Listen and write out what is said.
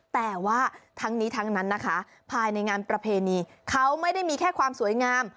แต่ว่าทั้งนี้ทั้งนั้นนะคะภายในงานประเพณีเขาไม่ได้มีแค่ความสวยงาม